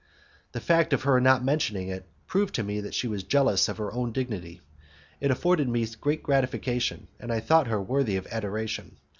The fact of her not mentioning it proved to me that she was jealous of her own dignity; it afforded me great gratification, and I thought her worthy of adoration.